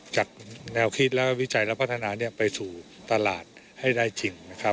จัดแนวคิดและวิจัยและพัฒนาไปสู่ตลาดให้ได้จริงนะครับ